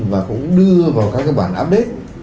và cũng đưa vào các cái bản update